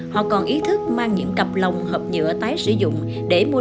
họ còn ý thức mang những cặp lồng hộp nhựa tái sử dụng để mua đồ ăn